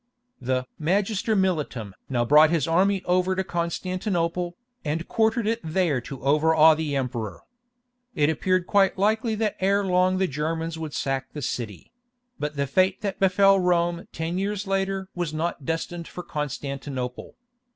The Magister militum now brought his army over to Constantinople, and quartered it there to overawe the emperor. It appeared quite likely that ere long the Germans would sack the city; but the fate that befell Rome ten years later was not destined for Constantinople.